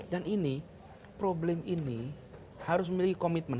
dan ini problem ini harus memiliki komitmen